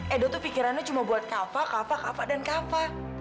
edo tuh pikirannya cuma buat kava kava kava dan kava